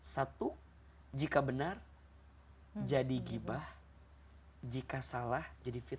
satu jika benar jadi gibah jika salah jadi fitna